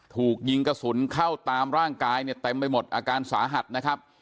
ถูกยิงกระสุนเข้าตามร่างกายเนี่ยเต็มไปหมดอาการสาหัสนะครับ